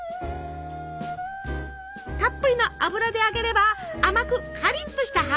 たっぷりの油で揚げれば甘くカリッとした歯ごたえに。